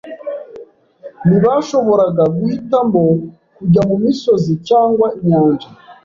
Ntibashoboraga guhitamo kujya mumisozi cyangwa inyanja.